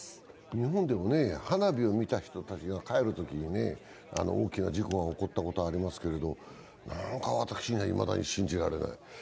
日本でも花火を見た人たちが帰るときに大きな事故が起こったことがありますけれどもなんか私には、いまだに信じられない。